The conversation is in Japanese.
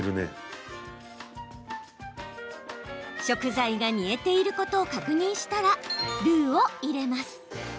食材が煮えていることを確認したら、ルーを入れます。